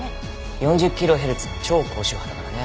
４０キロヘルツの超高周波だからね。